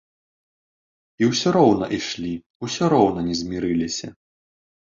І ўсё роўна ішлі, усё роўна не змірыліся.